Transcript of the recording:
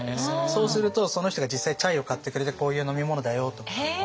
そうするとその人が実際にチャイを買ってくれてこういう飲み物だよとか。